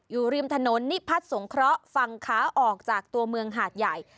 อยู่ริมถนนนิพัฒน์สงเคราะห์ฝั่งขาออกจากตัวเมืองหาดใหญ่